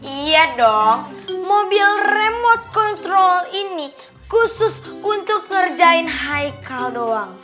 iya dong mobil remote control ini khusus untuk ngerjain high call doang